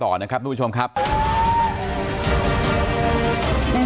การแก้เคล็ดบางอย่างแค่นั้นเอง